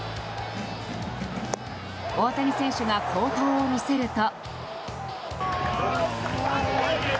大谷選手が好投を見せると。